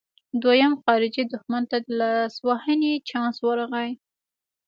دویم خارجي دښمن ته د لاسوهنې چانس ورغلی.